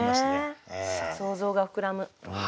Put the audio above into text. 想像が膨らむ。